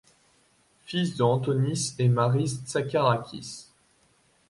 Fils de Antonis et Maryse Tsagarakis.